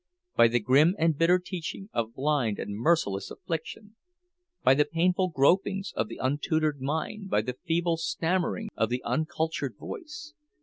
By the grim and bitter teaching of blind and merciless affliction! By the painful gropings of the untutored mind, by the feeble stammerings of the uncultured voice!